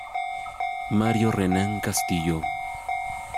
Mario Renán Castillo.